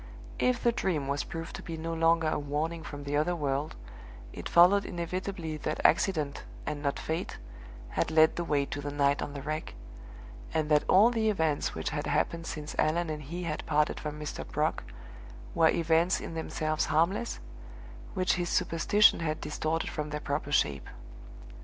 If the Dream was proved to be no longer a warning from the other world, it followed inevitably that accident and not fate had led the way to the night on the Wreck, and that all the events which had happened since Allan and he had parted from Mr. Brock were events in themselves harmless, which his superstition had distorted from their proper shape.